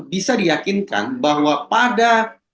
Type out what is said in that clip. bisa diyakinkan bahwa pada